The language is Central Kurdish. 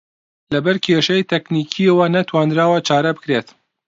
لەبەر کێشەی تەکنیکییەوە نەتوانراوە چارە بکرێت